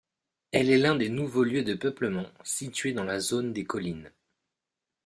Elle est l'un des nouveaux lieux de peuplement, situé dans la zone des collines.